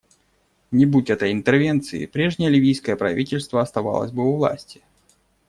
Не будь этой интервенции, прежнее ливийское правительство оставалось бы у власти.